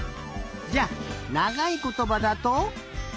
じゃあながいことばだと？